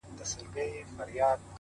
خوشحال په دې دى چي دا ستا خاوند دی _